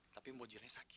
tapi mbok jirahnya sakit